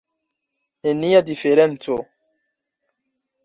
Nenia diferenco!